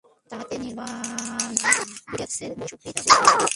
তাহাতে নির্বাণের ব্যাঘাত হইতেছে বই সুবিধা হইতেছে না।